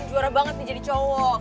juara banget nih jadi cowok